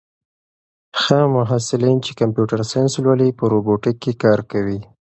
هغه محصلین چې کمپیوټر ساینس لولي په روبوټیک کې کار کوي.